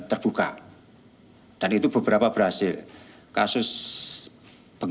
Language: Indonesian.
kemudian kita pencari arando ke